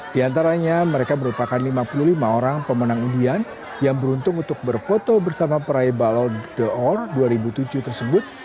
di antaranya mereka merupakan lima puluh lima orang pemenang undian yang beruntung untuk berfoto bersama peraih balon the or dua ribu tujuh tersebut